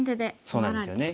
そうなんですよね。